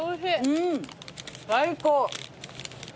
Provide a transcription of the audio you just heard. うん最高。